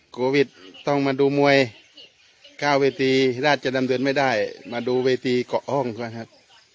โควิดต้องมาดูมวย๙เวทีราชดำเนินไม่ได้มาดูเวทีเกาะห้องก่อนครับ